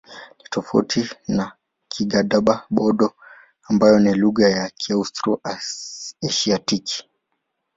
Ni tofauti na Kigadaba-Bodo ambayo ni lugha ya Kiaustro-Asiatiki.